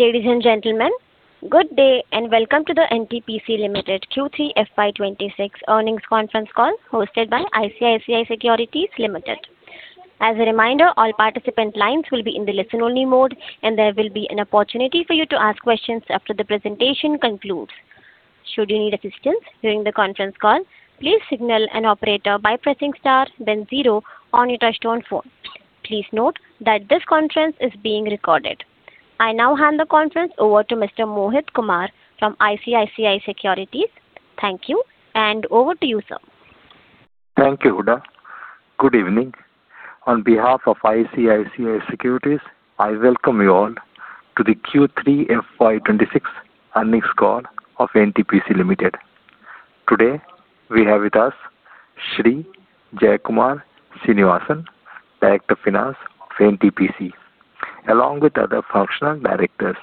Ladies and gentlemen, good day, and welcome to the NTPC Limited Q3 FY 2026 earnings conference call, hosted by ICICI Securities Limited. As a reminder, all participant lines will be in the listen-only mode, and there will be an opportunity for you to ask questions after the presentation concludes. Should you need assistance during the conference call, please signal an operator by pressing star then zero on your touchtone phone. Please note that this conference is being recorded. I now hand the conference over to Mr. Mohit Kumar from ICICI Securities. Thank you, and over to you, sir. Thank you, Huda. Good evening. On behalf of ICICI Securities, I welcome you all to the Q3 FY 2026 earnings call of NTPC Limited. Today, we have with us Shri Jaikumar Srinivasan, Director of Finance of NTPC, along with other functional directors.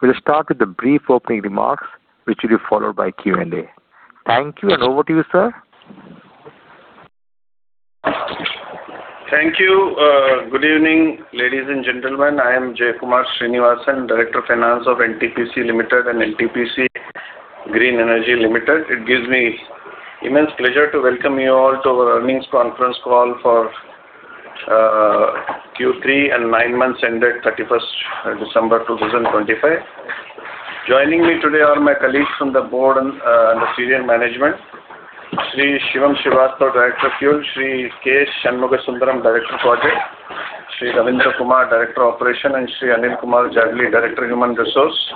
We'll start with the brief opening remarks, which will be followed by Q&A. Thank you, and over to you, sir. Thank you, good evening, ladies and gentlemen. I am Jaikumar Srinivasan, Director of Finance of NTPC Limited and NTPC Green Energy Limited. It gives me immense pleasure to welcome you all to our earnings conference call for Q3 and nine months ended 31st December 2025. Joining me today are my colleagues from the board and the senior management, Shri Shivam Srivastava, Director of Fuel, Shri K. Shanmugha Sundaram, Director, Projects, Shri Ravindra Kumar, Director, Operations, and Shri Anil Kumar Jadli, Director, Human Resources,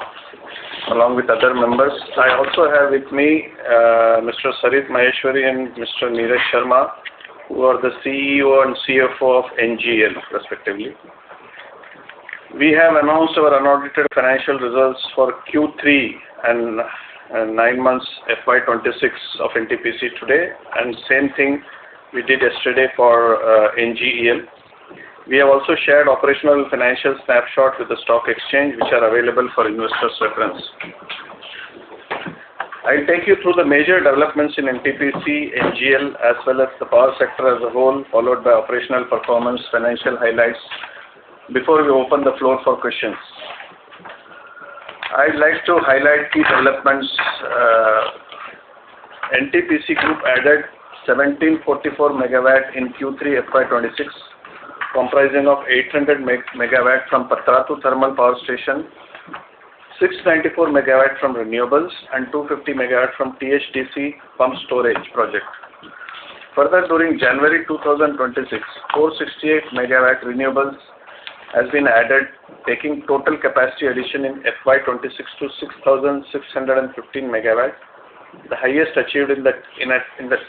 along with other members. I also have with me Mr. Sarit Maheshwari and Mr. Neeraj Sharma, who are the CEO and CFO of NGEL, respectively. We have announced our unaudited financial results for Q3 and nine months FY 2026 of NTPC today, and same thing we did yesterday for NGEL. We have also shared operational financial snapshot with the stock exchange, which are available for investors' reference. I'll take you through the major developments in NTPC, NGEL, as well as the power sector as a whole, followed by operational performance, financial highlights, before we open the floor for questions. I'd like to highlight key developments. NTPC Group added 1,744 MW in Q3 FY 2026, comprising of 800 MW from Patratu Thermal Power Station, 694 MW from renewables, and 250 MW from THDC pumped storage project. Further, during January 2026, 468 MW renewables has been added, taking total capacity addition in FY 2026 to 6,615 MW, the highest achieved in the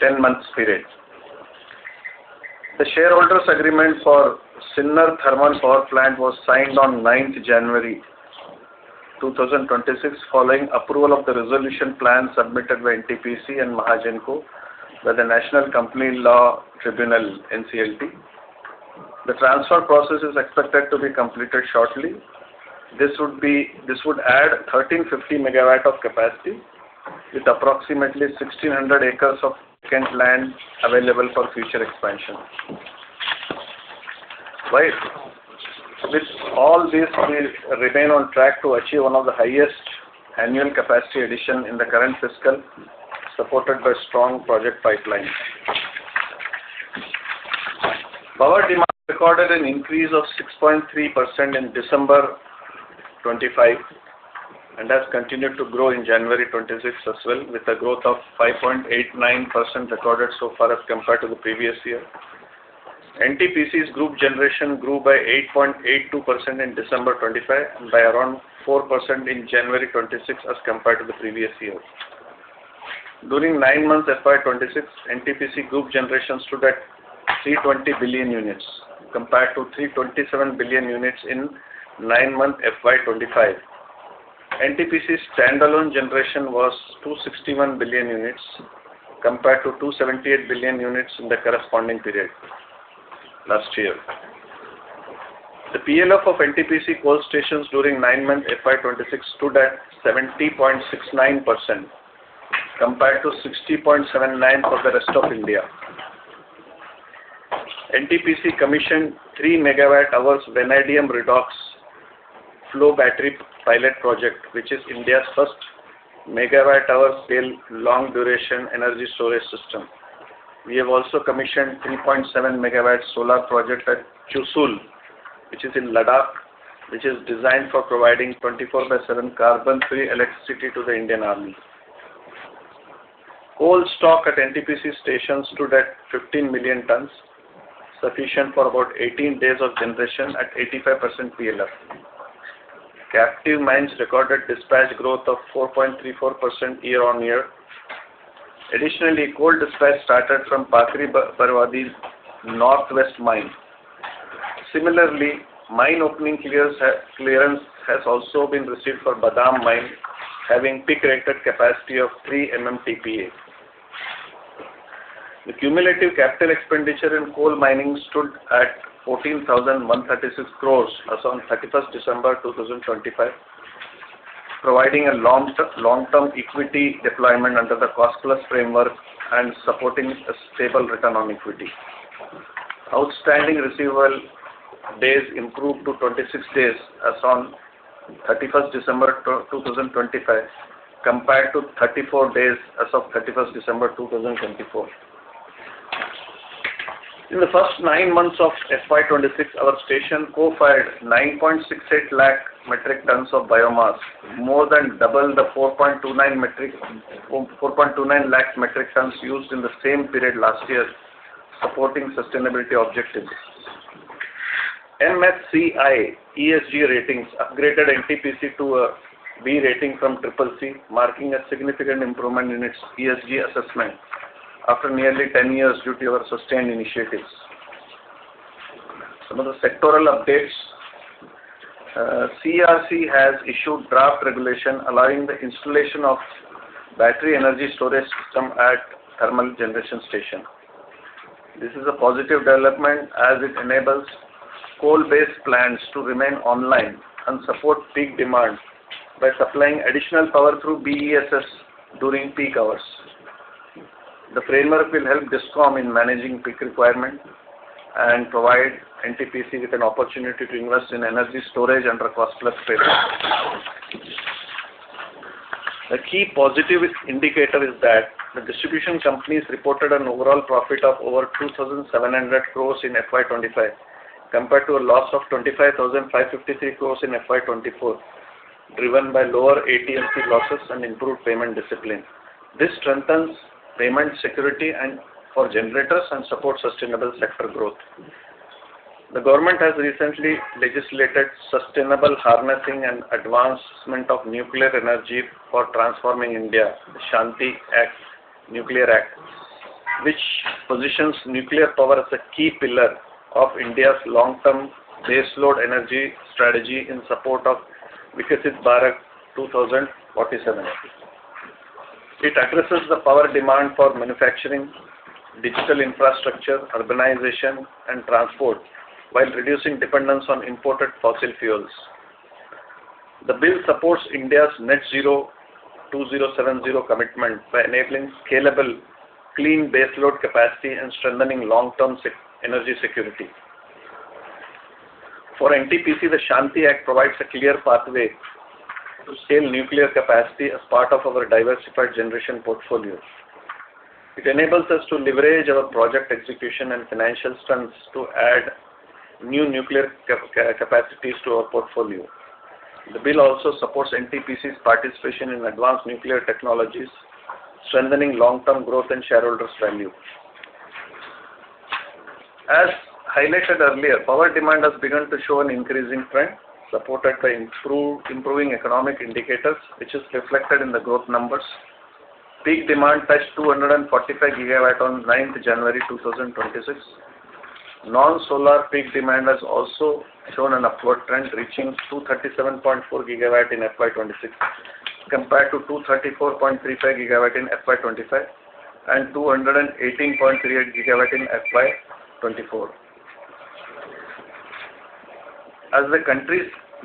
ten months period. The shareholders agreement for Sinnar Thermal Power Plant was signed on ninth January 2026, following approval of the resolution plan submitted by NTPC and Mahagenco by the National Company Law Tribunal, NCLT. The transfer process is expected to be completed shortly. This would add 1,350 MW of capacity with approximately 1,600 acres of land available for future expansion. Right. With all this, we remain on track to achieve one of the highest annual capacity addition in the current fiscal, supported by strong project pipelines. Power demand recorded an increase of 6.3% in December 2025, and has continued to grow in January 2026 as well, with a growth of 5.89% recorded so far as compared to the previous year. NTPC's group generation grew by 8.82% in December 2025 and by around 4% in January 2026, as compared to the previous year. During nine months FY 2026, NTPC group generation stood at 320 billion units, compared to 327 billion units in nine-month FY 2025. NTPC's standalone generation was 261 billion units, compared to 278 billion units in the corresponding period last year. The PLF of NTPC coal stations during nine-month FY 2026 stood at 70.69%, compared to 60.79% for the rest of India. NTPC commissioned 3 MWh vanadium redox flow battery pilot project, which is India's first megawatt-hour scale, long-duration energy storage system. We have also commissioned 3.7 MW solar project at Chushul, which is in Ladakh, which is designed for providing 24/7 carbon-free electricity to the Indian Army. Coal stock at NTPC stations stood at 15 million tons, sufficient for about 18 days of generation at 85% PLF. Captive mines recorded dispatch growth of 4.34% year-on-year. Additionally, coal dispatch started from Pakri Barwadih's Northwest Mine. Similarly, mine opening clearance has also been received for Badam Mine, having peak rated capacity of 3 MMTPA. The cumulative capital expenditure in coal mining stood at 14,136 crores as on 31st December 2025, providing a long-term, long-term equity deployment under the cost-plus framework and supporting a stable return on equity. Outstanding receivable days improved to 26 days as on 31st December 2025, compared to 34 days as of 31st December 2024. In the first nine months of FY 2026, our station co-fired 9.68 lakh metric tons of biomass, more than double the 4.29 lakh metric tons used in the same period last year, supporting sustainability objectives. MSCI ESG ratings upgraded NTPC to a B rating from CCC, marking a significant improvement in its ESG assessment after nearly ten years due to our sustained initiatives. Some of the sectoral updates, CERC has issued draft regulation allowing the installation of battery energy storage system at thermal generation station. This is a positive development as it enables coal-based plants to remain online and support peak demand by supplying additional power through BESS during peak hours. The framework will help DISCOM in managing peak requirement and provide NTPC with an opportunity to invest in energy storage under a cost-plus tariff. A key positive indicator is that the distribution companies reported an overall profit of over 2,700 crore in FY 2025, compared to a loss of 25,553 crore in FY 2024, driven by lower AT&C losses and improved payment discipline. This strengthens payment security and for generators and supports sustainable sector growth. The government has recently legislated sustainable harnessing and advancement of nuclear energy for transforming India, SHANTI Act, Nuclear Act, which positions nuclear power as a key pillar of India's long-term baseload energy strategy in support of Viksit Bharat 2047. It addresses the power demand for manufacturing, digital infrastructure, urbanization, and transport, while reducing dependence on imported fossil fuels. The bill supports India's net zero 2070 commitment by enabling scalable, clean baseload capacity and strengthening long-term energy security. For NTPC, the SHANTI Act provides a clear pathway to scale nuclear capacity as part of our diversified generation portfolio. It enables us to leverage our project execution and financial strengths to add new nuclear capacities to our portfolio. The bill also supports NTPC's participation in advanced nuclear technologies, strengthening long-term growth and shareholders value. As highlighted earlier, power demand has begun to show an increasing trend, supported by improving economic indicators, which is reflected in the growth numbers. Peak demand touched 245 GW on 9th January 2026. Non-solar peak demand has also shown an upward trend, reaching 237.4 GW in FY 2026, compared to 234.35 GW in FY 2025 and 218.38 GW in FY 2024. As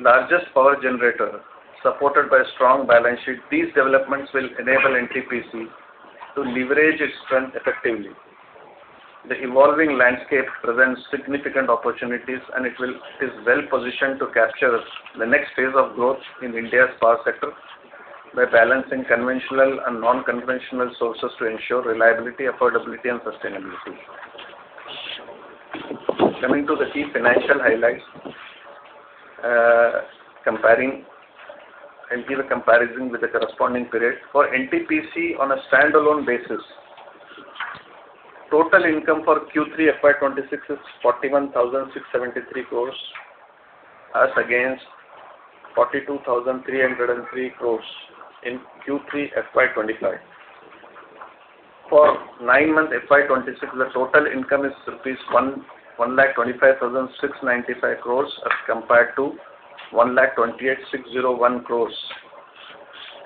the country's largest power generator, supported by a strong balance sheet, these developments will enable NTPC to leverage its strength effectively. The evolving landscape presents significant opportunities, and it is well-positioned to capture the next phase of growth in India's power sector by balancing conventional and non-conventional sources to ensure reliability, affordability and sustainability. Coming to the key financial highlights, comparing, I'll give a comparison with the corresponding period. For NTPC, on a standalone basis, total income for Q3 FY 2026 is INR 41,673 crore, as against INR 42,303 crore in Q3 FY 2025. For nine-month FY 2026, the total income is rupees 112,569 crore, as compared to 128,601 crore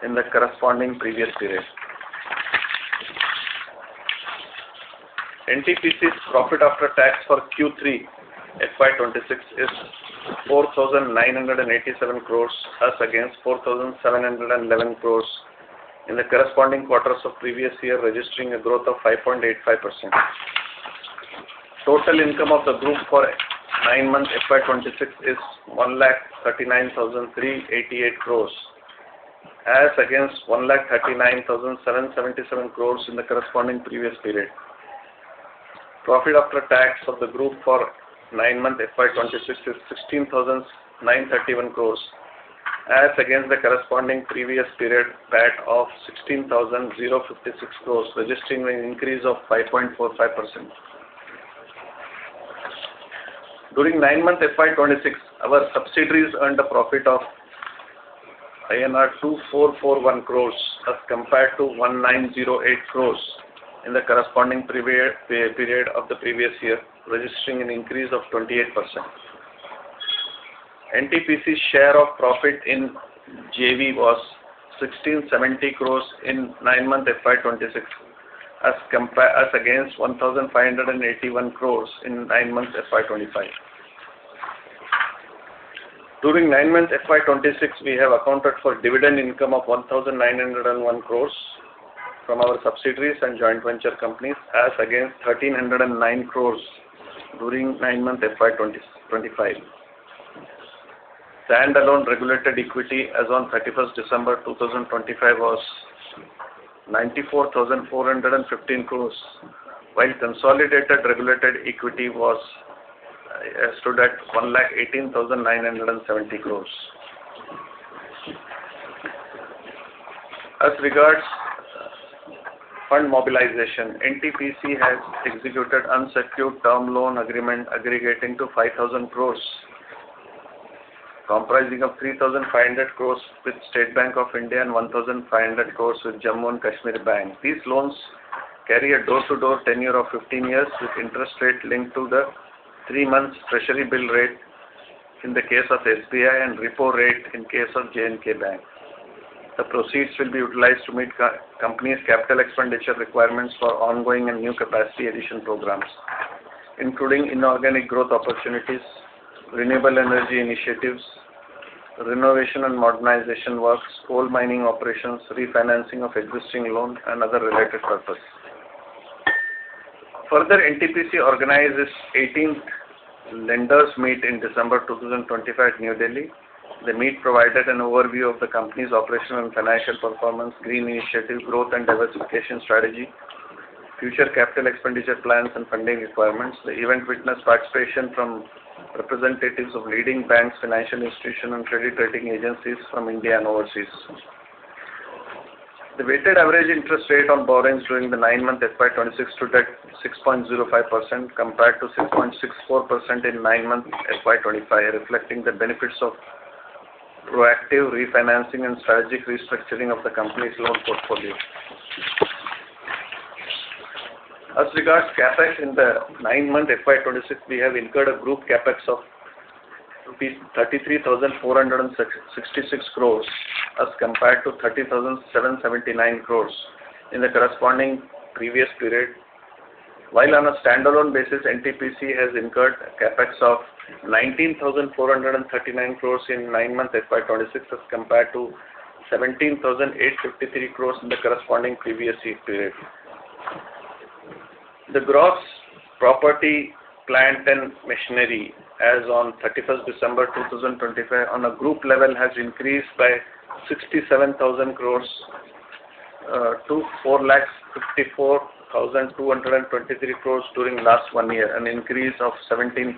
in the corresponding previous period. NTPC's profit after tax for Q3 FY 2026 is 4,987 crore, as against 4,711 crore in the corresponding quarters of previous year, registering a growth of 5.85%. Total income of the group for nine months FY 2026 is 139,388 crore, as against 139,777 crore in the corresponding previous period. Profit after tax of the group for nine-month FY 2026 is 16,931 crore, as against the corresponding previous period PAT of 16,056 crore, registering an increase of 5.45%. During nine-month FY 2026, our subsidiaries earned a profit of INR 2,441 crore, as compared to 1,908 crore in the corresponding previous year period of the previous year, registering an increase of 28%. NTPC's share of profit in JV was 1,670 crore in nine-month FY 2026, as against 1,581 crore in 9 months FY 2025. During nine months FY 2026, we have accounted for dividend income of 1,901 crore from our subsidiaries and joint venture companies, as against 1,309 crore during nine months FY 2025. Standalone regulated equity as on 31st December 2025 was 94,415 crore, while consolidated regulated equity stood at 118,970 crore. As regards fund mobilization, NTPC has executed unsecured term loan agreement aggregating to 5,000 crore, comprising of 3,500 crore with State Bank of India and 1,500 crore with Jammu and Kashmir Bank. These loans carry a door-to-door tenure of 15 years, with interest rate linked to the three-month treasury bill rate in the case of SBI and repo rate in case of J&K Bank. The proceeds will be utilized to meet the company's capital expenditure requirements for ongoing and new capacity addition programs, including inorganic growth opportunities, renewable energy initiatives, renovation and modernization works, coal mining operations, refinancing of existing loans, and other related purpose. Further, NTPC organized its 18th lenders meet in December 2025 at New Delhi. The meet provided an overview of the company's operational and financial performance, green initiative, growth, and diversification strategy, future capital expenditure plans and funding requirements. The event witnessed participation from representatives of leading banks, financial institutions, and credit rating agencies from India and overseas. The weighted average interest rate on borrowings during the nine months FY 2026 stood at 6.05%, compared to 6.64% in nine months FY 2025, reflecting the benefits of proactive refinancing and strategic restructuring of the company's loan portfolio. As regards CapEx, in the nine months FY 2026, we have incurred a group CapEx of rupees 33,466 crore, as compared to 30,779 crore in the corresponding previous period. While on a standalone basis, NTPC has incurred CapEx of 19,439 crore in nine months FY 2026, as compared to 17,853 crore in the corresponding previous year period. The gross property, plant, and machinery as on December 2025 on a group level has increased by 67,000 crore to 454,223 crore during last one year, an increase of 17.4%.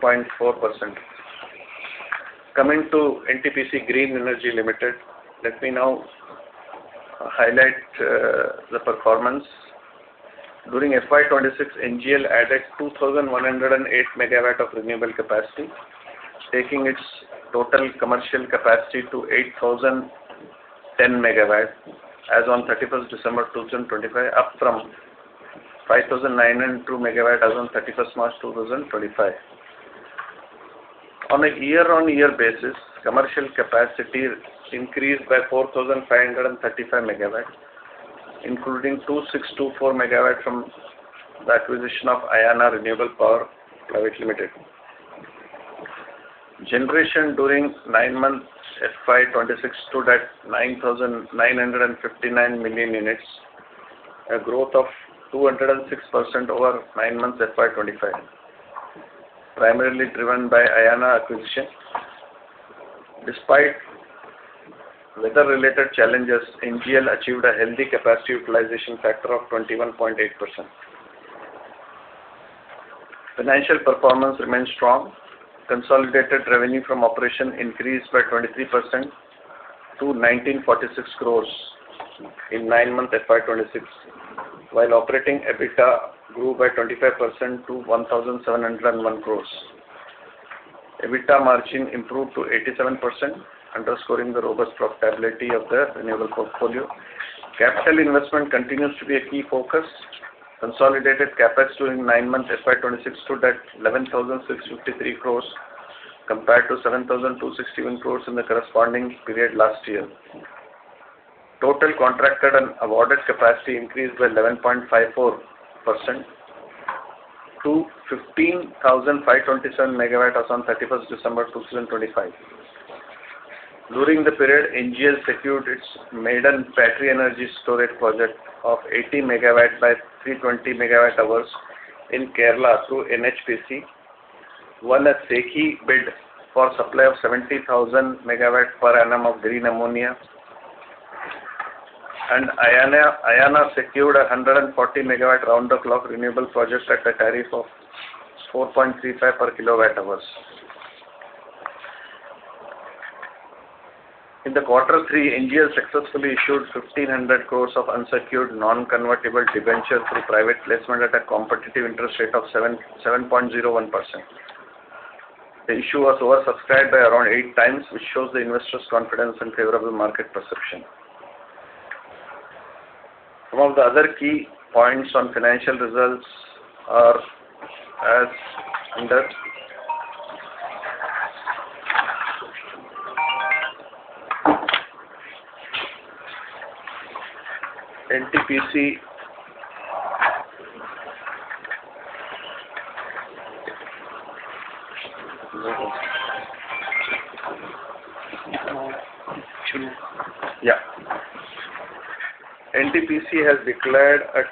Coming to NTPC Green Energy Limited, let me now highlight the performance. During FY 2026, NGEL added 2,108 MW of renewable capacity, taking its total commercial capacity to 8,010 MW as on December 2025, up from 5,902 MW as on 31st March, 2025. On a year-on-year basis, commercial capacity increased by 4,535 MW, including 2,624 MW from the acquisition of Ayana Renewable Power Private Limited. Generation during nine months FY 2026 stood at 9,959 million units, a growth of 206% over nine months FY 2025, primarily driven by Ayana acquisition. Despite weather-related challenges, NGEL achieved a healthy capacity utilization factor of 21.8%. Financial performance remains strong. Consolidated revenue from operation increased by 23% to 1,946 crore in nine months FY 2026, while operating EBITDA grew by 25% to 1,701 crore. EBITDA margin improved to 87%, underscoring the robust profitability of the renewable portfolio. Capital investment continues to be a key focus. Consolidated CapEx during nine months FY 2026 stood at 11,653 crore, compared to 7,261 crore in the corresponding period last year. Total contracted and awarded capacity increased by 11.54% to 15,527 MW as on 31st December 2025. During the period, NGEL secured its maiden battery energy storage project of 80 MW by 320 MWh in Kerala through NHPC, won a SECI bid for supply of 70,000 MW per annum of green ammonia, and Ayana, Ayana secured a 140 MW round-the-clock renewable projects at a tariff of 4.35 per kWh. In the Q3, NGEL successfully issued 1,500 crore of unsecured non-convertible debentures through private placement at a competitive interest rate of 7.01%. The issue was oversubscribed by around 8x, which shows the investors' confidence and favorable market perception. Some of the other key points on financial results are as under NTPC. Yeah. NTPC has declared a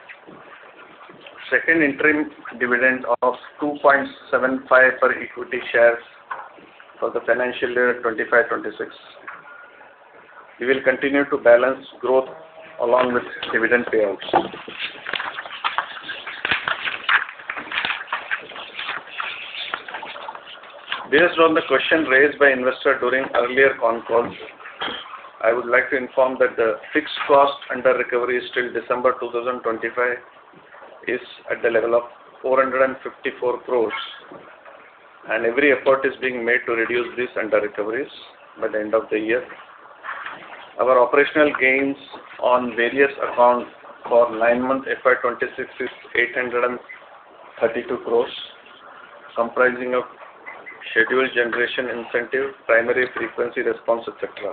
second interim dividend of 2.75 per equity shares for the financial year 2025-2026. We will continue to balance growth along with dividend payouts. Based on the question raised by investor during earlier con calls, I would like to inform that the fixed cost under recovery is till December 2025, is at the level of 454 crore, and every effort is being made to reduce these under recoveries by the end of the year. Our operational gains on various accounts for nine months, FY 2026, is 832 crore, comprising of scheduled generation incentive, primary frequency response, etc.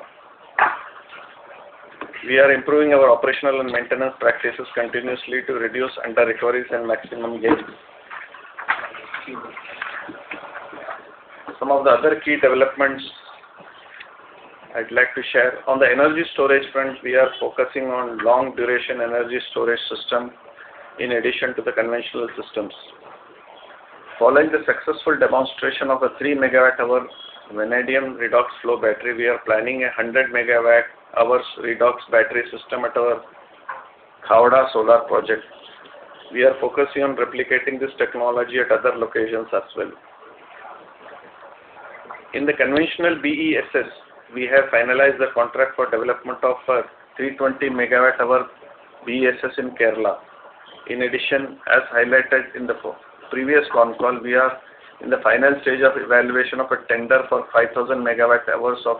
We are improving our operational and maintenance practices continuously to reduce under recoveries and maximum gains. Some of the other key developments I'd like to share: On the energy storage front, we are focusing on long duration energy storage system in addition to the conventional systems. Following the successful demonstration of a 3 MWh vanadium redox flow battery, we are planning a 100 MWh redox battery system at our Khavda solar project. We are focusing on replicating this technology at other locations as well. In the conventional BESS, we have finalized the contract for development of a 320 MWh BESS in Kerala. In addition, as highlighted in the pre-previous con call, we are in the final stage of evaluation of a tender for 5,000 MWh of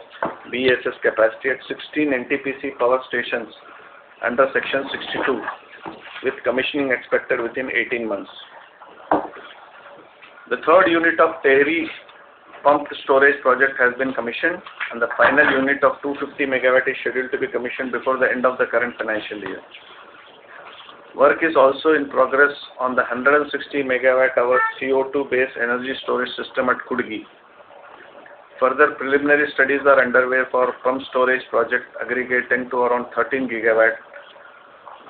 BESS capacity at 16 NTPC power stations under Section 62, with commissioning expected within 18 months. The third unit of Tehri Pumped Storage project has been commissioned, and the final unit of 250 MW is scheduled to be commissioned before the end of the current financial year. Work is also in progress on the 160 MWh CO2-based energy storage system at Kudgi. Further preliminary studies are underway for pumped storage project, aggregating to around 13 GW,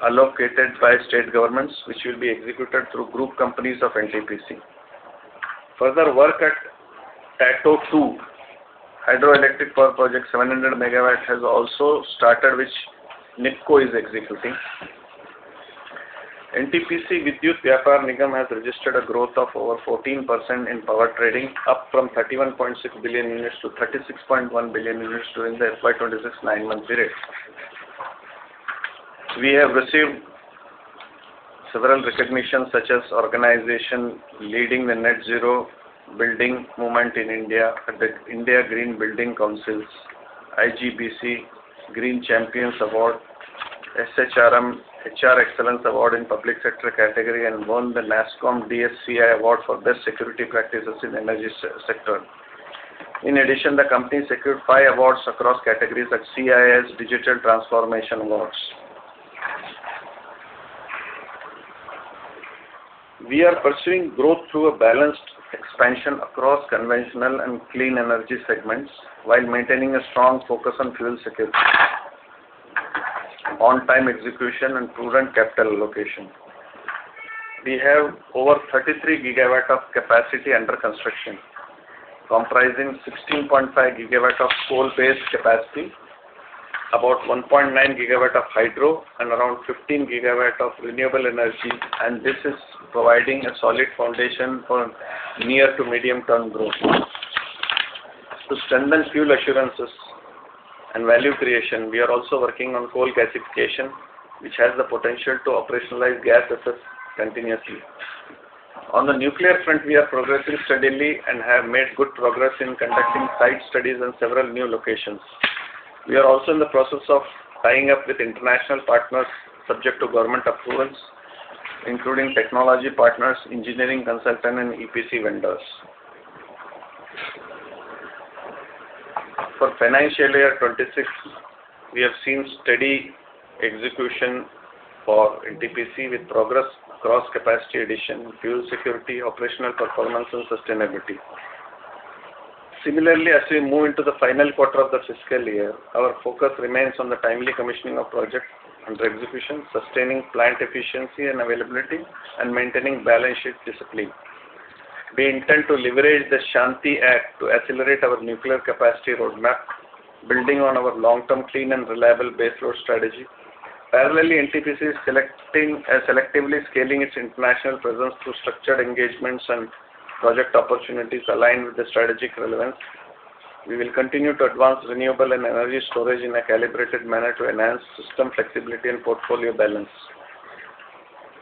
allocated by state governments, which will be executed through group companies of NTPC. Further work at Tato II Hydroelectric Power Project, 700 MW, has also started, which NHPC is executing. NTPC Vidyut Vyapar Nigam has registered a growth of over 14% in power trading, up from 31.6 billion units to 36.1 billion units during the FY 2026 nine-month period. We have received several recognitions, such as Organization Leading the Net Zero Building Movement in India at the Indian Green Building Council's, IGBC, Green Champions Award, SHRM HR Excellence Award in Public Sector category, and won the NASSCOM-DSCI Award for Best Security Practices in Energy Sector. In addition, the company secured five awards across categories at CIS Digital Transformation Awards. We are pursuing growth through a balanced expansion across conventional and clean energy segments, while maintaining a strong focus on fuel security, on-time execution, and prudent capital allocation. We have over 33 GW of capacity under construction, comprising 16.5 GW of coal-based capacity, about 1.9 GW of hydro, and around 15 GW of renewable energy, and this is providing a solid foundation for near to medium-term growth. To strengthen fuel assurances and value creation, we are also working on coal gasification, which has the potential to operationalize gas assets continuously. On the nuclear front, we are progressing steadily and have made good progress in conducting site studies in several new locations. We are also in the process of tying up with international partners, subject to government approvals, including technology partners, engineering consultant, and EPC vendors. For financial year 2026, we have seen steady execution for NTPC, with progress across capacity addition, fuel security, operational performance, and sustainability. Similarly, as we move into the final quarter of the fiscal year, our focus remains on the timely commissioning of projects under execution, sustaining plant efficiency and availability, and maintaining balance sheet discipline. We intend to leverage the SHANTI Act to accelerate our nuclear capacity roadmap, building on our long-term, clean, and reliable baseload strategy. Parallelly, NTPC is selecting selectively scaling its international presence through structured engagements and project opportunities aligned with the strategic relevance. We will continue to advance renewable and energy storage in a calibrated manner to enhance system flexibility and portfolio balance.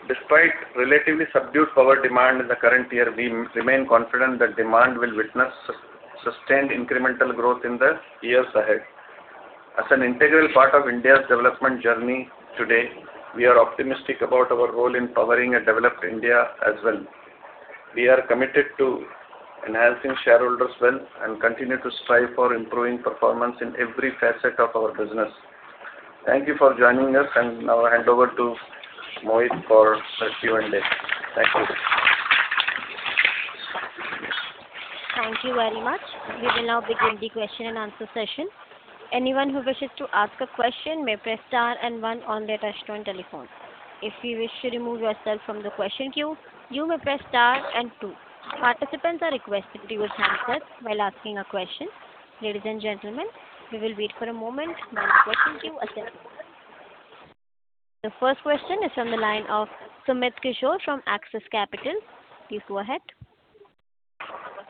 Despite relatively subdued power demand in the current year, we remain confident that demand will witness sustained incremental growth in the years ahead. As an integral part of India's development journey today, we are optimistic about our role in powering a developed India as well. We are committed to enhancing shareholders wealth and continue to strive for improving performance in every facet of our business. Thank you for joining us, and now I hand over to Mohit for Q&A. Thank you. Thank you very much. We will now begin the question-and-answer session. Anyone who wishes to ask a question may press star and one on their touch-tone telephone. If you wish to remove yourself from the question queue, you may press star and two. Participants are requested to use handset while asking a question. Ladies and gentlemen, we will wait for a moment while the question queue attends. The first question is on the line of Sumit Kishore from Axis Capital. Please go ahead.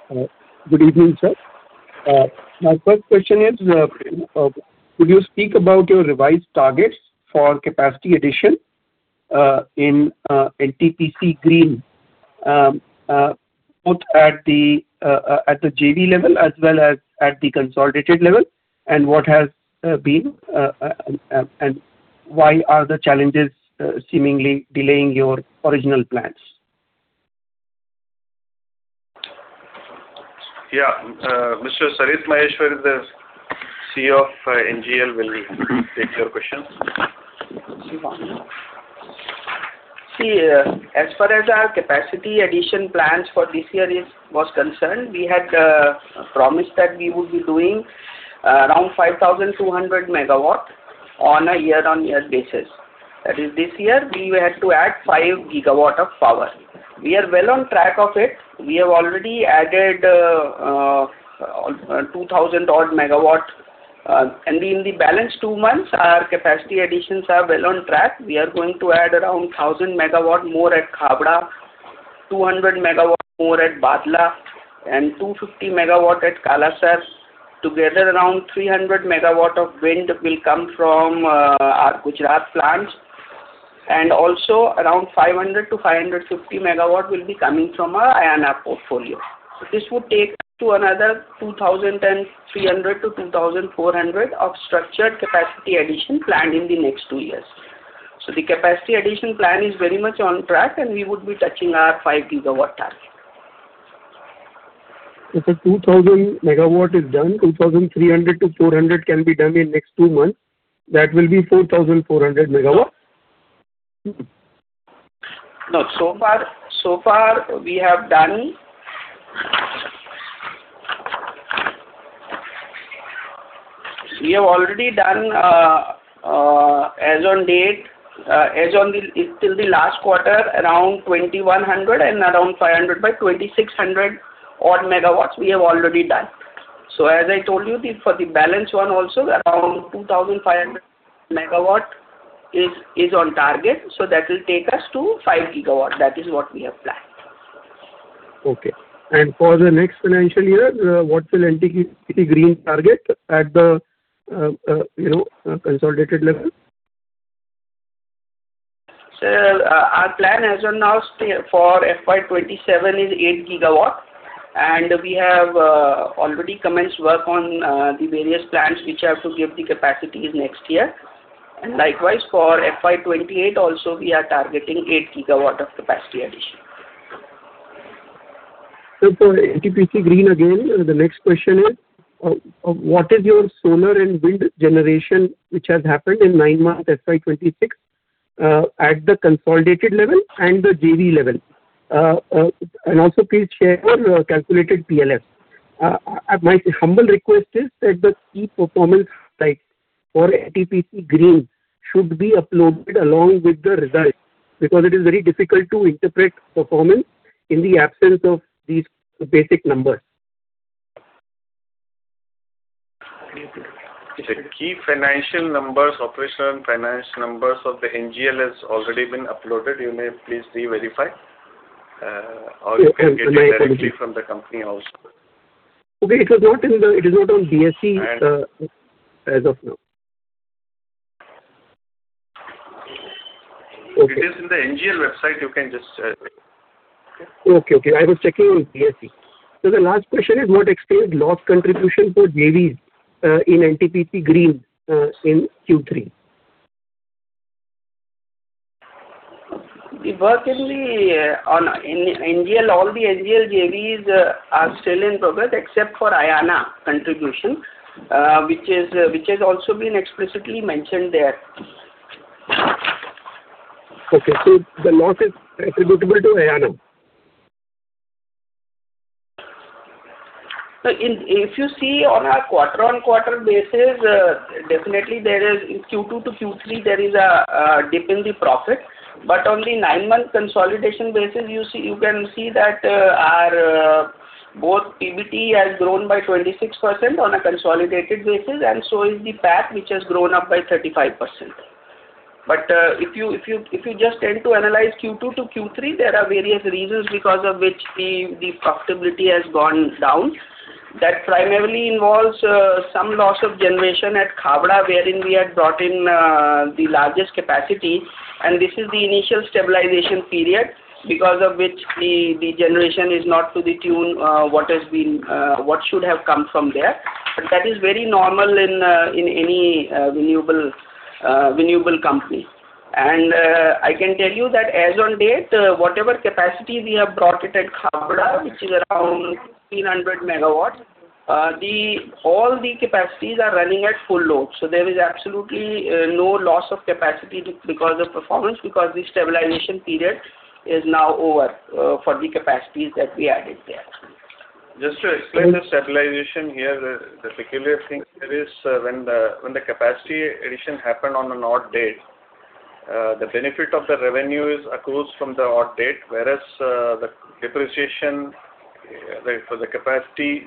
Good evening, sir. My first question is, could you speak about your revised targets for capacity addition in NTPC Green at the JV level as well as at the consolidated level, and what has been and why are the challenges seemingly delaying your original plans? Yeah. Mr. Sarit Maheshwari, the CEO of NGEL, will take your questions. See, as far as our capacity addition plans for this year is, was concerned, we had promised that we would be doing around 5,200 MW on a year-on-year basis. That is, this year we had to add 5 GW of power. We are well on track of it. We have already added two thousand odd MW, and in the balance two months, our capacity additions are well on track. We are going to add around 1,000 MW more at Khavda, 200 MW more at Bhadla, and 250 MW at Kalasar. Together, around 300 MW of wind will come from our Gujarat plants, and also around 500 MW-550 MW will be coming from our Ayana portfolio. This would take to another 2,300 MW-2,400 MW of structured capacity addition planned in the next two years. The capacity addition plan is very much on track, and we would be touching our 5 GW target. If the 2,000 MW is done, 2,300 MW-2,400 MW can be done in next two months, that will be 4,400 MW? No. So far, so far we have done. We have already done, as on date, as on the, till the last quarter, around 2,100 MW and around 500 MW by 2,600-odd MW we have already done. So as I told you, the, for the balance one also, around 2,500 MW is, is on target, so that will take us to 5 GW. That is what we have planned. Okay. And for the next financial year, what will NTPC Green target at the, you know, consolidated level? Our plan as of now for FY 2027 is 8 GW, and we have already commenced work on the various plants which are to give the capacities next year. Likewise, for FY 2028 also, we are targeting 8 GW of capacity addition. So for NTPC Green, again, the next question is, what is your solar and wind generation, which has happened in nine months, FY 2026, at the consolidated level and the JV level? And also please share your calculated PLF. My humble request is that the key performance, like for NTPC Green, should be uploaded along with the results, because it is very difficult to interpret performance in the absence of these basic numbers. The key financial numbers, operational and finance numbers of the NGEL has already been uploaded. You may please re-verify, or you can get it- My apologies. - directly from the company also. Okay. It was not in the, it is not on BSE, as of now. Okay. It is in the NGEL website. You can just, Okay, okay. I was checking on BSE. So the last question is: What excludes loss contribution for JVs in NTPC Green in Q3? The work in NGEL, all the NGEL JVs, are still in progress, except for Ayana contribution, which has also been explicitly mentioned there. Okay. So the loss is attributable to Ayana? So, if you see on a quarter-on-quarter basis, definitely there is a dip in the profit from Q2 to Q3, but on a nine-month consolidated basis, you see, you can see that our both PBT has grown by 26% on a consolidated basis, and so is the PAT, which has grown up by 35%. But, if you just tend to analyze Q2 to Q3, there are various reasons because of which the profitability has gone down. That primarily involves some loss of generation at Khavda, wherein we had brought in the largest capacity, and this is the initial stabilization period, because of which the generation is not to the tune of what should have come from there. But that is very normal in any renewable company. And I can tell you that as on date, whatever capacity we have brought it at Khavda, which is around 300 MW, all the capacities are running at full load. So there is absolutely no loss of capacity because of performance, because the stabilization period is now over for the capacities that we added there. Just to explain the stabilization here, the particular thing there is, when the capacity addition happened on an odd date, the benefit of the revenue accrues from the odd date, whereas the depreciation for the capacity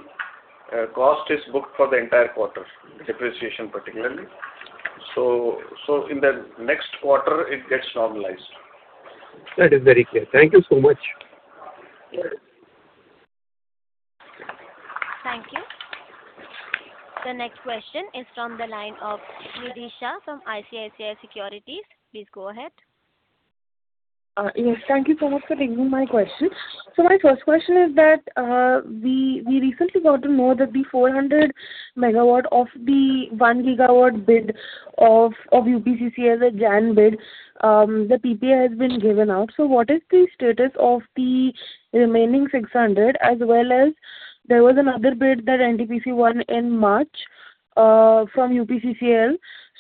cost is booked for the entire quarter, depreciation particularly. So in the next quarter, it gets normalized. That is very clear. Thank you so much. Thank you. The next question is from the line of [Vidisha] from ICICI Securities. Please go ahead. Yes, thank you so much for taking my question. So my first question is that we recently got to know that the 400 MW of the 1 GW bid of UPCCL Jan bid, the PPA has been given out. So what is the status of the remaining 600, as well as there was another bid that NTPC won in March from UPCCL.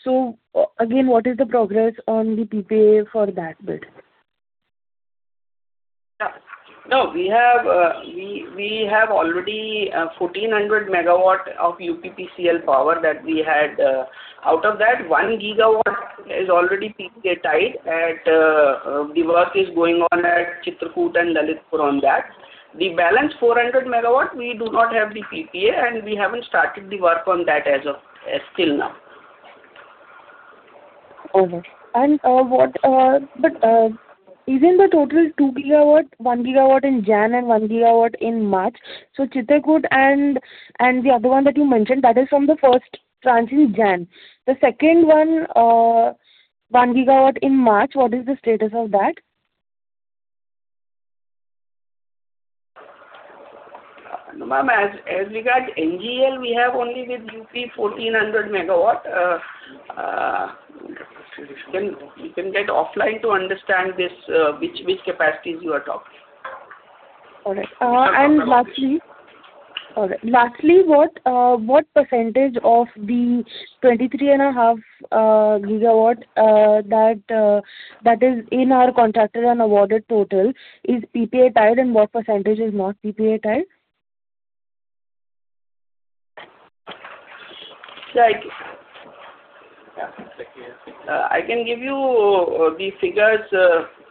So again, what is the progress on the PPA for that bid? Yeah. No, we have already 1,400 MW of UPCCL power that we had. Out of that, 1 GW is already PPA tied at the work is going on at Chitrakoot and Lalitpur on that. The balance 400 MW, we do not have the PPA, and we haven't started the work on that as of till now. Okay. Isn't the total 2 GW, 1 GW in January and 1 GW in March? So Chitrakoot and the other one that you mentioned, that is from the first tranche in January. The second one, 1 GW in March, what is the status of that? No, ma'am, as regards NGEL, we have only with UP 1,400 MW. You can get offline to understand this, which capacities you are talking. All right. Lastly, what % of the 23.5 GW that is in our contracted and awarded total is PPA tied, and what % is not PPA tied? I can give you the figures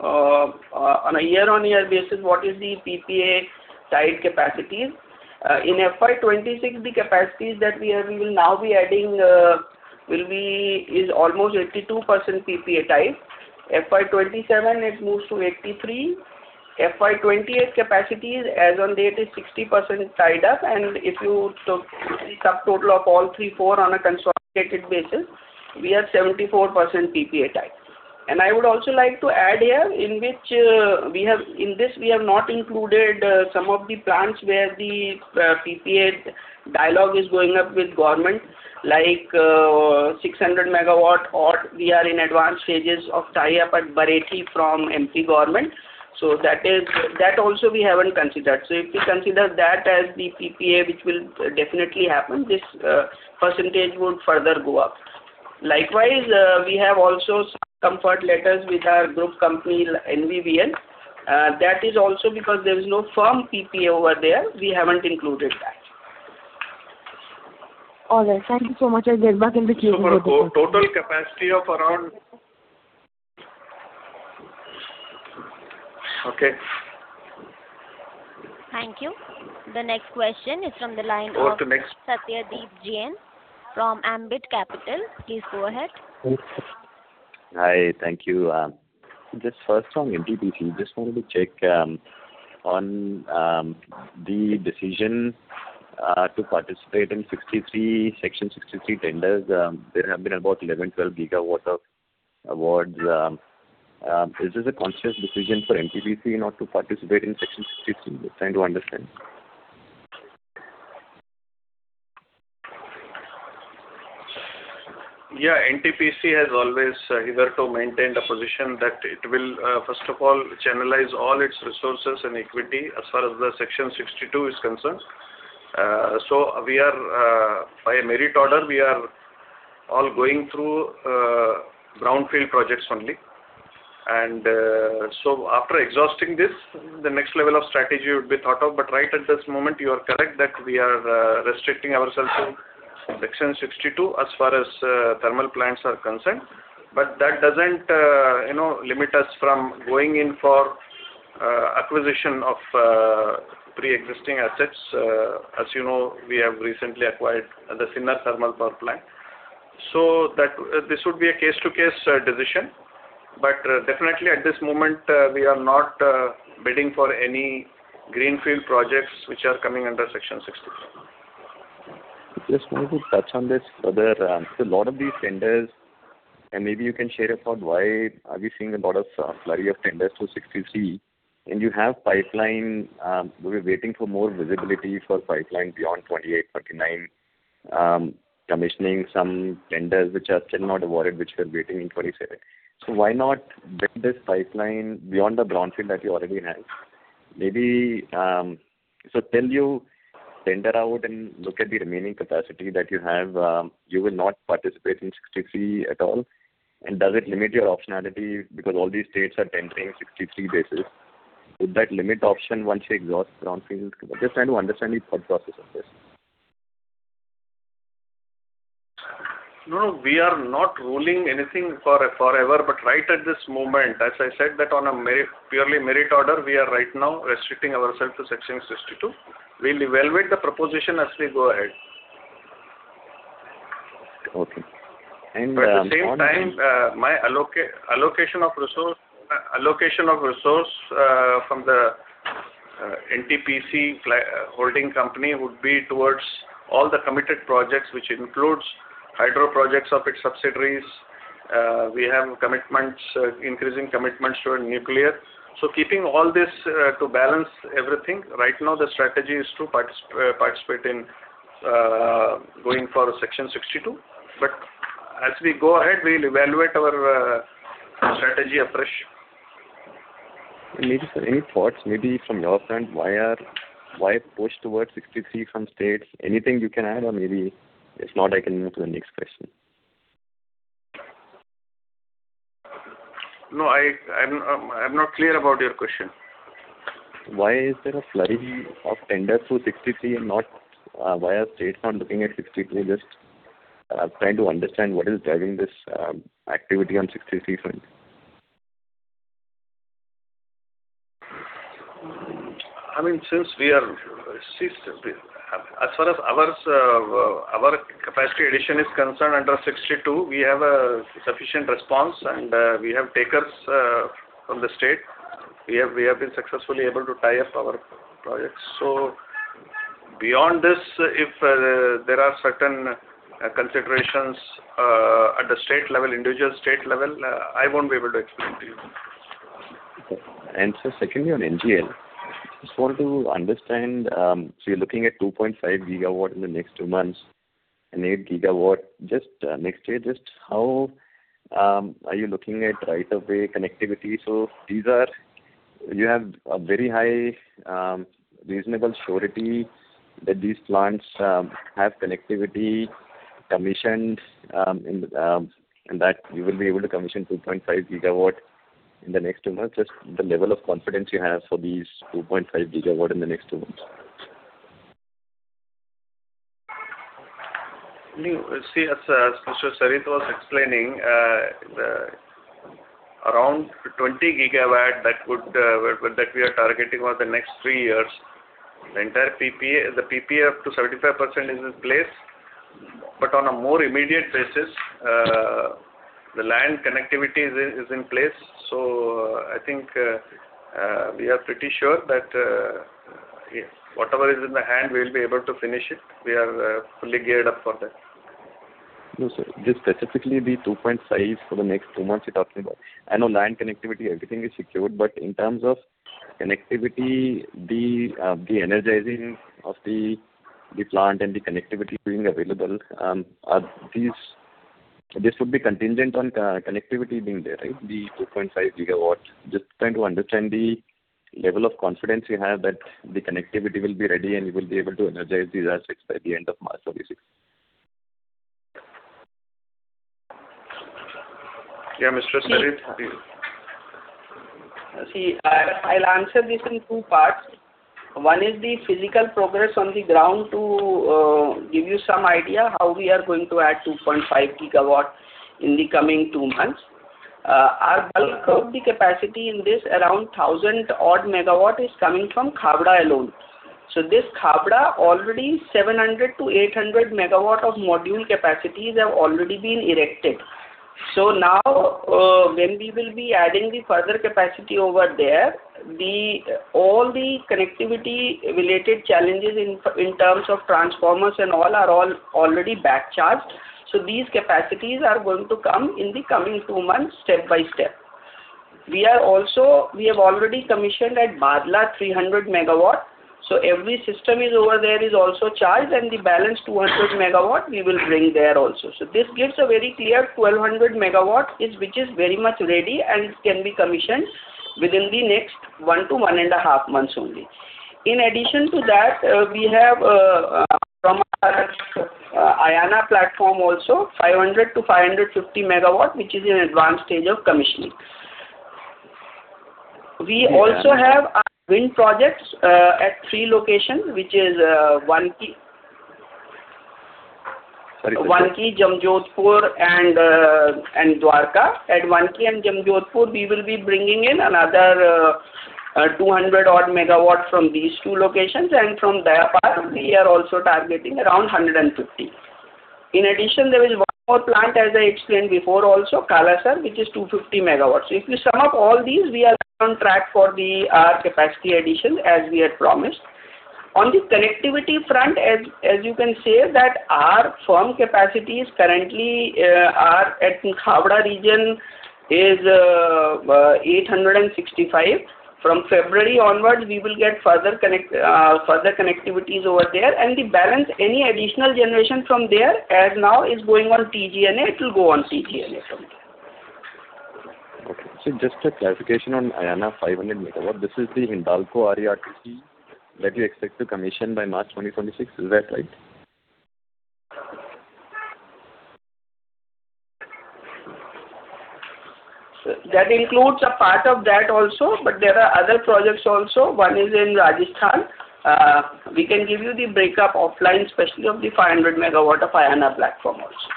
on a year-on-year basis, what is the PPA tied capacities. In FY 2026, the capacities that we are, we will now be adding, will be, is almost 82% PPA tied. FY 2027, it moves to 83%. FY 2028 capacities as on date is 60% tied up. And if you took the subtotal of all three, four on a consolidated basis, we are 74% PPA tied. And I would also like to add here, in which, we have, in this, we have not included, some of the plants where the, PPA dialogue is going up with government, like, 600 MW, or we are in advanced stages of tie-up at Barethi from MP government. So that is, that also we haven't considered. So if we consider that as the PPA, which will definitely happen, this percentage would further go up. Likewise, we have also some comfort letters with our group company, NVVN. That is also because there is no firm PPA over there. We haven't included that. All right. Thank you so much. I'll get back in the queue. Total capacity of around... Okay. Thank you. The next question is from the line of- Over to next. Satyadeep Jain from Ambit Capital. Please go ahead. Hi. Thank you. Just first from NTPC, just wanted to check on the decision to participate in Section 63 tenders. There have been about 11 GW-12 GW of awards. Is this a conscious decision for NTPC not to participate in Section 62? Just trying to understand. Yeah, NTPC has always hitherto maintained a position that it will first of all channelize all its resources and equity as far as the Section 62 is concerned. So we are by a merit order all going through brownfield projects only. And so after exhausting this, the next level of strategy would be thought of, but right at this moment, you are correct that we are restricting ourselves to Section 62 as far as thermal plants are concerned. But that doesn't you know limit us from going in for acquisition of pre-existing assets. As you know, we have recently acquired the Sinnar Thermal Power Plant. So that this would be a case-to-case decision. But definitely at this moment we are not bidding for any greenfield projects which are coming under Section 62. Just wanted to touch on this further. So a lot of these tenders, and maybe you can share about why are we seeing a lot of flurry of tenders to 63, and you have pipeline, we're waiting for more visibility for pipeline beyond 2028, 2039, commissioning some tenders which are still not awarded, which we are waiting in 2027. So why not build this pipeline beyond the brownfield that you already have? Maybe, so till you tender out and look at the remaining capacity that you have, you will not participate in 63 at all. And does it limit your optionality? Because all these states are tendering 63 basis. Would that limit option once you exhaust brownfield? Just trying to understand the thought process of this. No, no, we are not ruling anything out forever, but right at this moment, as I said, that on a merit, purely merit order, we are right now restricting ourselves to Section 62. We'll evaluate the proposition as we go ahead. Okay. And, At the same time, my allocation of resource from the NTPC holding company would be towards all the committed projects, which includes hydro projects of its subsidiaries. We have commitments, increasing commitments toward nuclear. So keeping all this, to balance everything, right now, the strategy is to participate in going for a Section 62. But as we go ahead, we'll evaluate our strategy afresh. And maybe, sir, any thoughts, maybe from your side, why push towards 63 from states? Anything you can add, or maybe if not, I can move to the next question. No, I'm not clear about your question. Why is there a flurry of tenders through 63 and not, why are states not looking at 62? Just trying to understand what is driving this activity on 63 front. I mean, since we are as far as ours, our capacity addition is concerned, under Section 62, we have a sufficient response, and, we have takers, from the state. We have, we have been successfully able to tie up our projects. So beyond this, if, there are certain, considerations, at the state level, individual state level, I won't be able to explain to you. Okay. And so secondly, on NGEL, I just want to understand, so you're looking at 2.5 GW in the next two months and 8 GW just, next year. Just how, are you looking at right-of-way connectivity? So these are... You have a very high, reasonable surety that these plants, have connectivity commissioned, and, and that you will be able to commission 2.5 GW in the next two months. Just the level of confidence you have for these 2.5 GW in the next two months. See, as Mr. Sarit was explaining, the around 20 GW that would, well, that we are targeting over the next three years, the entire PPA, the PPA up to 75% is in place. But on a more immediate basis, the land connectivity is in place. So I think, we are pretty sure that, whatever is in the hand, we will be able to finish it. We are fully geared up for that. No, sir, just specifically the 2.5 GW for the next two months you're talking about. I know land connectivity, everything is secured, but in terms of connectivity, the energizing of the plant and the connectivity being available, are these—this would be contingent on connectivity being there, right? The 2.5 GW. Just trying to understand the level of confidence you have that the connectivity will be ready, and you will be able to energize these assets by the end of March of this year. Yeah, Mr. Sarit, please. See, I'll answer this in two parts. One is the physical progress on the ground to give you some idea how we are going to add 2.5 GW in the coming two months. Our, the capacity in this, around 1,000-odd MW, is coming from Khavda alone. So this Khavda, already 700 MW-800 MW of module capacities have already been erected. So now, when we will be adding the further capacity over there, the all the connectivity-related challenges in terms of transformers and all are all already back charged. So these capacities are going to come in the coming two months, step by step. We are also we have already commissioned at Bhadla, 300 MW, so every system is over there is also charged, and the balance 200 MW we will bring there also. So this gives a very clear 1,200 MW, which is very much ready and can be commissioned within the next 1-1.5 months only. In addition to that, we have from our Ayana platform also 500 MW-550 MW, which is in advanced stage of commissioning. We also have our wind projects at three locations, which is Wankaner, Jamjodhpur and, and Dwarka. At Wankaner and Jamjodhpur, we will be bringing in another, two hundred odd MW from these two locations, and from Dayapar, we are also targeting around 150 MW. In addition, there is one more plant, as I explained before, also, Kalasar, which is 250 MW. So if you sum up all these, we are on track for the, capacity addition, as we had promised. On the connectivity front, as, as you can say, that our firm capacities currently, are at Khavda region is 865 MW. From February onwards, we will get further connect, further connectivities over there, and the balance, any additional generation from there, as now, is going on T-GNA, it will go on T-GNA from there. Okay. So just a clarification on Ayana, 500 MW. This is the Hindalco RE-RTC that you expect to commission by March 2026, is that right? So that includes a part of that also, but there are other projects also. One is in Rajasthan. We can give you the breakup offline, especially of the 500 MW of Ayana platform also.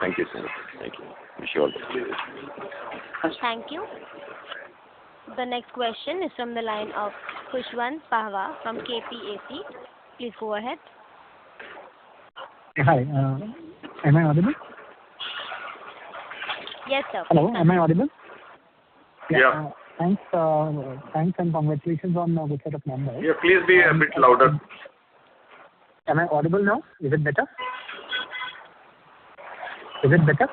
Thank you, sir. Thank you. Wish you all the best. Thank you. The next question is from the line of Khushwant Pahwa from KPAC. Please go ahead. Hi, am I audible? Yes, sir. Hello, am I audible? Yeah. Thanks, thanks, and congratulations on the good set of numbers. Yeah, please be a bit louder. Am I audible now? Is it better? Is it better?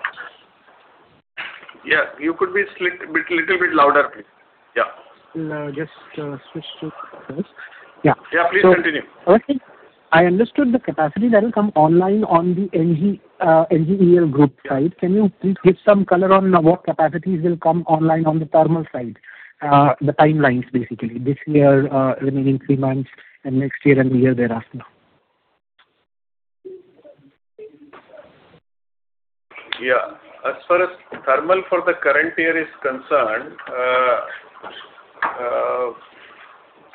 Yeah, could you be a little bit louder, please. Yeah. Just, switch to this. Yeah. Yeah, please continue. Okay. I understood the capacity that will come online on the NG, NGEL group side. Can you please give some color on what capacities will come online on the thermal side? The timelines, basically. This year, remaining three months, and next year, and the year thereafter. Yeah. As far as thermal for the current year is concerned,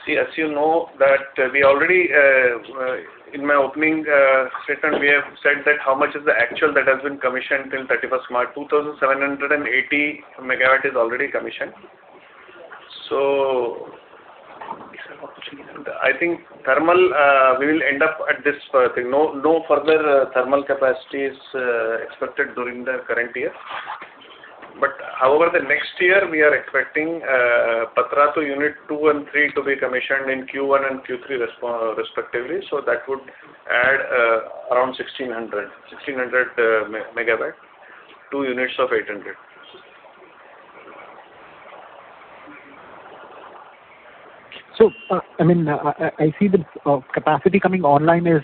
see, as you know, that we already, in my opening statement, we have said that how much is the actual that has been commissioned till 31st March. 2,780 MW is already commissioned. So I think thermal, we will end up at this thing. No, no further thermal capacity is expected during the current year. But however, the next year, we are expecting, Patratu Unit 2 and 3 to be commissioned in Q1 and Q3, respectively. So that would add, around 1,600 MW, two units of 800 MW. So, I mean, I see the capacity coming online is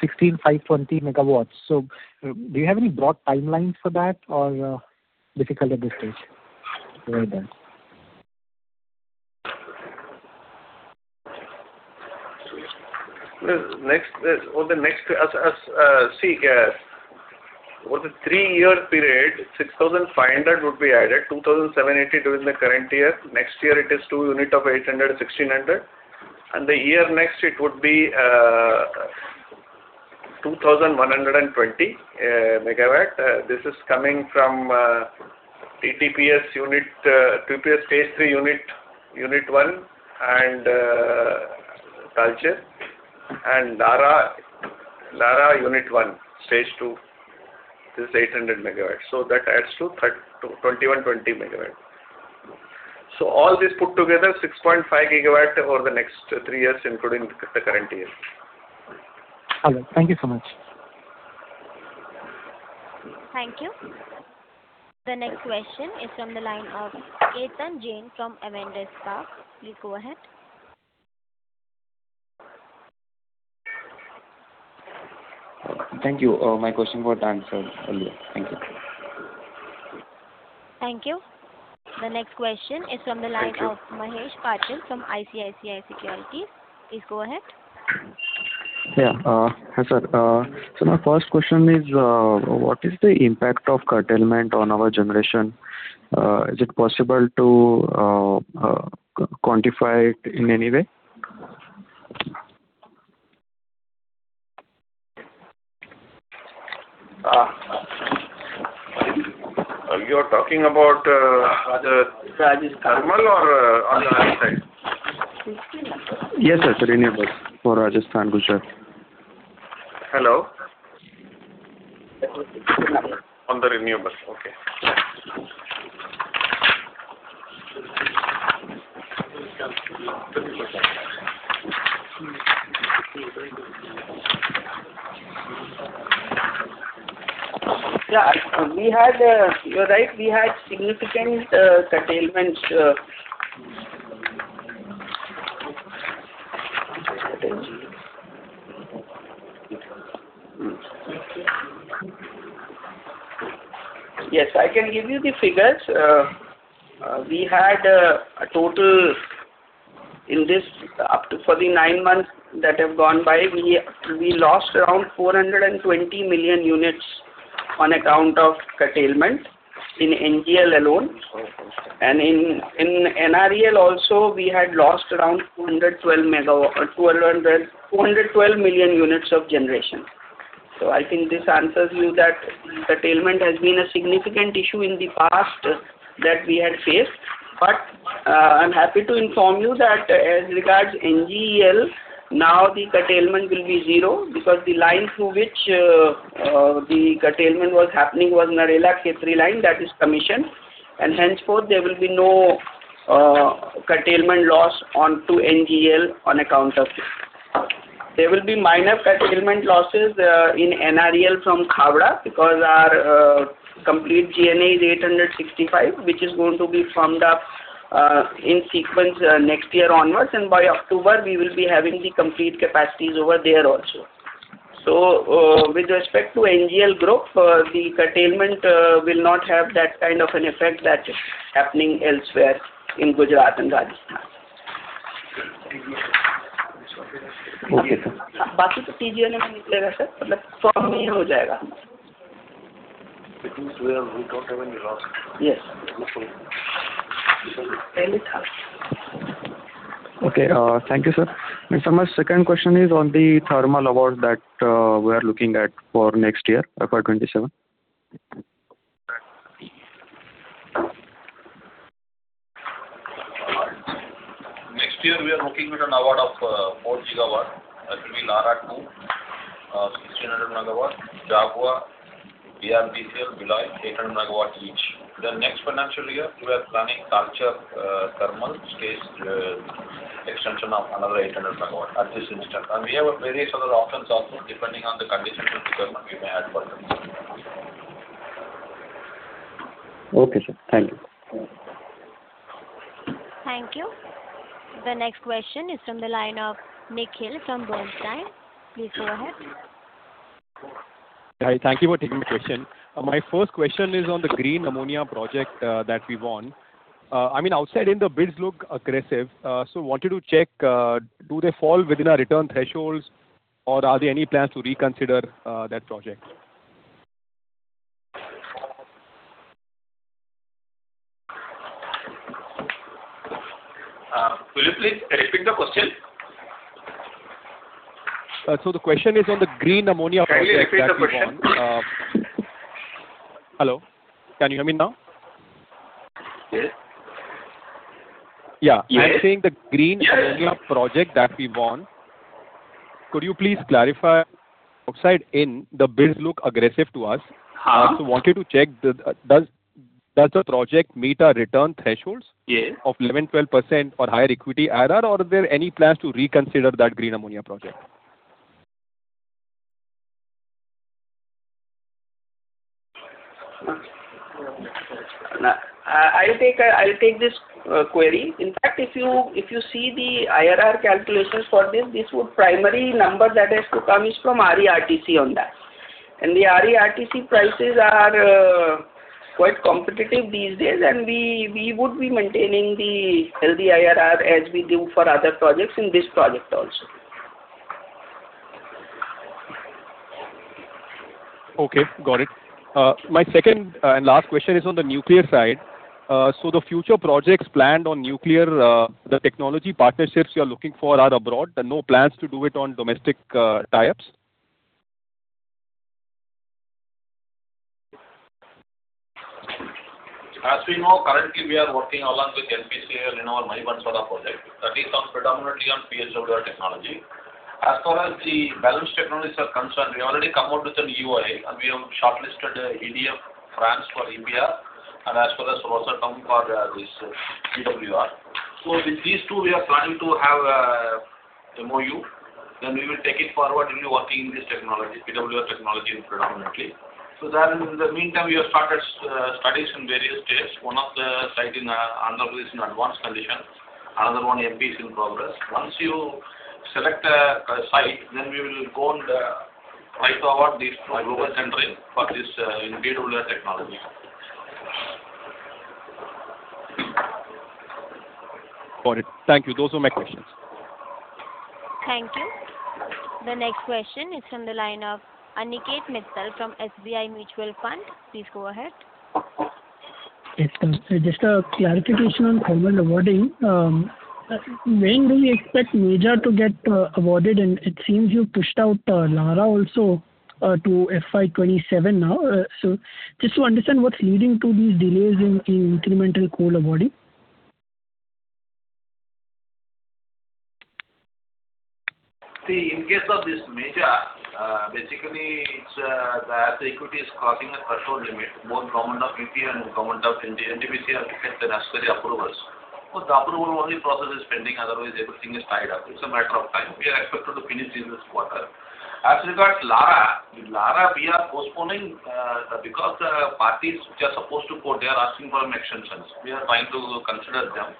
16,520 MW. So, do you have any broad timelines for that or difficult at this stage? Very well. Next, over the next three-year period, 6,500 MW would be added, 2,780 MW during the current year. Next year, it is two units of 800 MW, 1,600 MW, and the next year, it would be 2,120 MW. This is coming from TTPS unit, TTPS Stage III, Unit 1, and Talcher, and Lara Unit 1, Stage II, this is 800 MW. So that adds to 2,120 MW. So all this put together, 6.5 GW over the next three years, including the current year. Hello. Thank you so much. Thank you. The next question is from the line of Ketan Jain from Avendus Spark. Please go ahead. Thank you. My question was answered earlier. Thank you. Thank you. The next question is from the line of Mahesh Patil from ICICI Securities. Please go ahead. Yeah, hi, sir. So my first question is, what is the impact of curtailment on our generation? Is it possible to quantify it in any way? You're talking about, rather- Rajasthan. Thermal or on the other side? Yes, sir, renewables for Rajasthan, Gujarat. Hello? On the renewables. Okay. Yeah, we had. You're right, we had significant curtailments. Yes, I can give you the figures. We had a total in this, up to for the nine months that have gone by, we lost around 420 million units on account of curtailment in NGEL alone. Oh, okay. In Ayana also, we had lost around 212 million units of generation. So I think this answers you that curtailment has been a significant issue in the past that we had faced. But, I'm happy to inform you that as regards NGEL, now the curtailment will be zero, because the line through which the curtailment was happening was Narela-Khetri line, that is commissioned, and henceforth, there will be no curtailment loss onto NGEL on account of this. There will be minor curtailment losses in NGEL from Khavda, because our complete GNA is 865, which is going to be firmed up in sequence next year onwards, and by October, we will be having the complete capacities over there also. With respect to NGEL group, the curtailment will not have that kind of an effect that is happening elsewhere in Gujarat and Rajasthan. Yes. Okay, thank you, sir. And so my second question is on the thermal awards that we are looking at for next year, FY 2027. Next year, we are looking at an award of 4 GW. That will be Lara-II, 1,600 MW, Jhabua, BRBCL, Bhilai, 800 MW each. The next financial year, we are planning Korba thermal extension of another 800 MW at this instant. We have various other options also, depending on the conditions of development, we may add further. Okay, sir. Thank you. Thank you. The next question is from the line of Nikhil from Bernstein. Please go ahead. Hi, thank you for taking the question. My first question is on the Green Ammonia project that we won. I mean, outside in, the bids look aggressive. So wanted to check, do they fall within our return thresholds, or are there any plans to reconsider that project? Will you please repeat the question? So the question is on the Green Ammonia project that you won. Can you repeat the question? Hello, can you hear me now? Yeah. Yes. I'm saying the Green Ammonia project that we won, could you please clarify? Outside in, the bids look aggressive to us. Wanted to check, does the project meet our return thresholds of 11%-12% or higher equity IRR, or are there any plans to reconsider that Green Ammonia project? I'll take this query. In fact, if you see the IRR calculations for this, the primary number that has to come is from RE RTC on that. And the RE RTC prices are quite competitive these days, and we would be maintaining the healthy IRR as we do for other projects in this project also. Okay, got it. My second and last question is on the nuclear side. So the future projects planned on nuclear, the technology partnerships you are looking for are abroad, there are no plans to do it on domestic tie-ups? As we know, currently we are working along with NPCIL here in our Mahi Banswara project. That is on predominantly on PWR technology. As far as the balance technologies are concerned, we already come out with an EOI, and we have shortlisted EDF France for India, and as far as Rosatom for this PWR. So with these two, we are planning to have a MOU. Then we will take it forward into working this technology, PWR technology predominantly. So then in the meantime, we have started studies in various states. One of the site in Andhra is in advanced condition. Another one, MP, is in progress. Once you select a site, then we will go and try to award these global tender for this in PWR technology. Got it. Thank you. Those were my questions. Thank you. The next question is from the line of Aniket Mittal from SBI Mutual Fund. Please go ahead. Yes, just a clarification on thermal awarding. When do you expect Meja to get awarded? And it seems you've pushed out Lara also to FY 2027 now. So just to understand, what's leading to these delays in the incremental coal awarding? See, in case of this Meja, basically, it's, that the equity is crossing the threshold limit. Both Government of UT and Government of NTPC have to get the necessary approvals. So the approval only process is pending, otherwise everything is tied up. It's a matter of time. We are expected to finish in this quarter. As regards, Lara. Lara, we are postponing, because the parties which are supposed to go, they are asking for extensions. We are trying to consider them.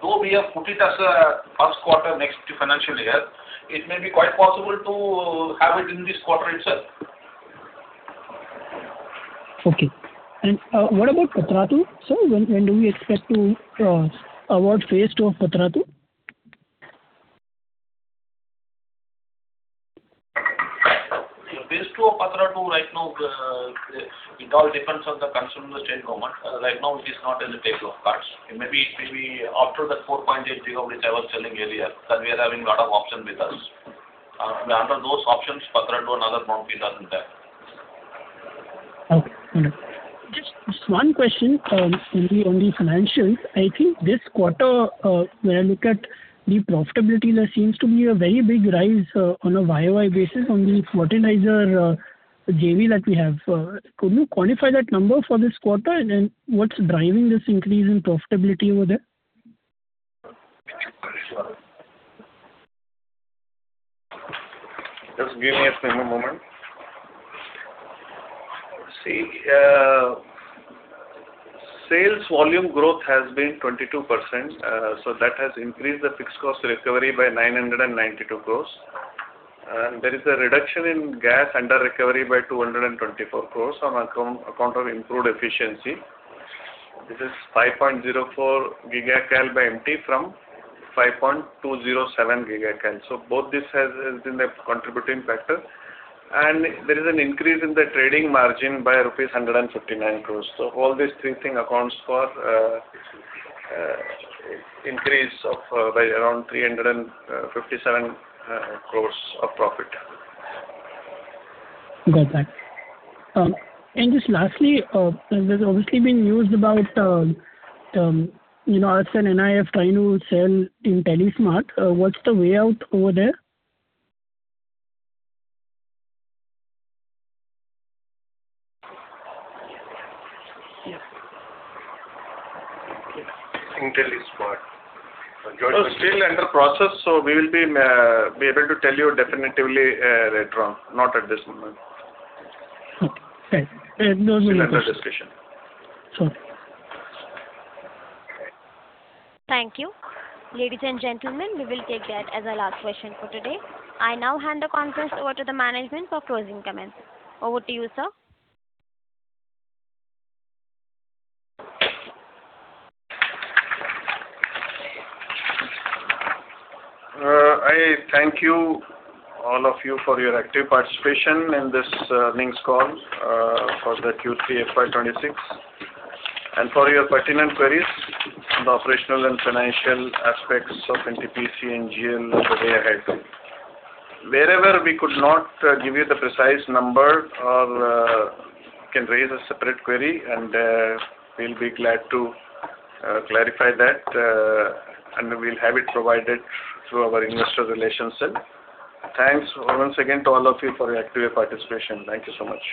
Though we have put it as a first quarter next financial year, it may be quite possible to have it in this quarter itself. Okay. What about Patratu, sir? When do we expect to award Phase 2 of Patratu? Phase 2 of Patratu, right now, it all depends on the consumption demand. Right now, it is not in the timetable. It may be, it may be after the 4.8 GW, which I was telling earlier, that we are having a lot of options with us. Under those options, Patratu another 40,000 there. Okay. Just one question, on the financials. I think this quarter, when I look at the profitability, there seems to be a very big rise, on a YoY basis on the fertilizer, the JV that we have. Could you quantify that number for this quarter, and then what's driving this increase in profitability over there? Just give me a single moment. See, sales volume growth has been 22%, so that has increased the fixed cost recovery by 992 crore. And there is a reduction in gas under recovery by 224 crore on account of improved efficiency. This is 5.04 Gcal by MT from 5.207 Gcal. So both this has been a contributing factor. And there is an increase in the trading margin by rupees 159 crore. So all these three thing accounts for increase of by around 357 crore of profit. Got that. And just lastly, there's obviously been news about, you know, NIIF trying to sell IntelliSmart. What's the way out over there? IntelliSmart. It's still under process, so we will be able to tell you definitively, later on, not at this moment. Okay, thanks. Still under discussion. Sorry. Thank you. Ladies and gentlemen, we will take that as our last question for today. I now hand the conference over to the management for closing comments. Over to you, sir. I thank you, all of you, for your active participation in this earnings call for the Q3 FY 2026, and for your pertinent queries on the operational and financial aspects of NTPC and NGEL, the way ahead. Wherever we could not give you the precise number or can raise a separate query, and we'll be glad to clarify that, and we'll have it provided through our investor relationship. Thanks once again to all of you for your active participation. Thank you so much.